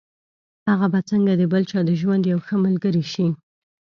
هغه به څنګه د بل چا د ژوند يوه ښه ملګرې شي.